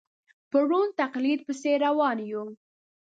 په ړوند تقلید پسې روان یو.